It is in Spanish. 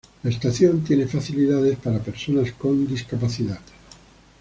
La estación tiene facilidades para personas con discapacidad.